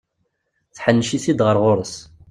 Tḥennec-it-d ɣer ɣur-s.